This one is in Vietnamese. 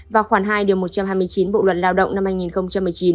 và khoảng hai điều một trăm hai mươi chín bộ luật lao động năm hai nghìn một mươi năm